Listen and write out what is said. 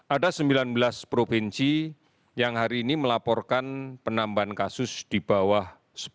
ada sembilan belas provinsi yang hari ini melaporkan penambahan kasus di bawah sepuluh